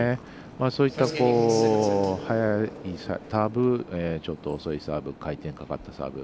そういった速いサーブちょっと遅いサーブ回転がかかったサーブ。